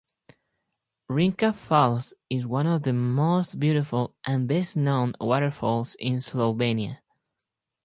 Rinka Falls is one of the most beautiful and best-known waterfalls in Slovenia.